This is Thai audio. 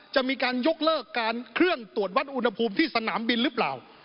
จะมีการยกเลิกการเครื่องตรวจวัดอุณหภูมิที่สนามบินหรือเปล่า